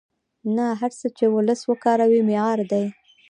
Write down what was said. نه هر څه چې وولس وکاروي معیاري دي.